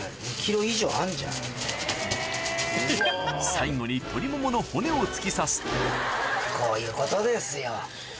最後に鶏モモの骨を突き刺すとこういうことですよ。